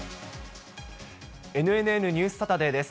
ＮＮＮニュースサタデーです。